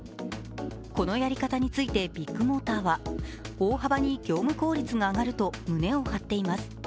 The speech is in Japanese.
このやり方についてビッグモーターは大幅に業務効率が上がると胸を張っています。